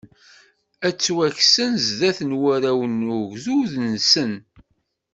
Ad ttwakksen zdat n warraw n ugdud-nsen.